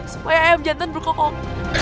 supaya ayam jantan berkokok